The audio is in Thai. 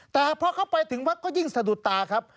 แต่พอเข้าไปถึงวัดก็ยิ่งสะดุดตาครับ